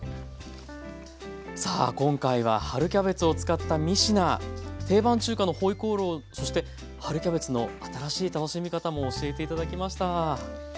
さあ今回は春キャベツを使った３品定番中華の回鍋肉そして春キャベツの新しい楽しみ方も教えて頂きました。